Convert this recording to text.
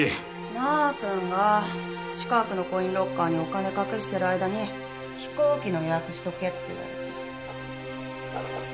まーくんが近くのコインロッカーにお金隠してる間に飛行機の予約しとけって言われて。